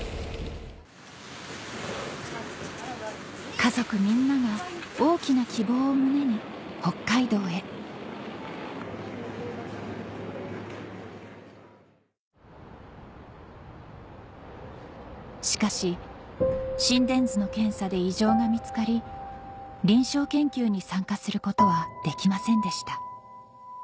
家族みんなが大きな希望を胸に北海道へしかし心電図の検査で異常が見つかり臨床研究に参加することはできませんでした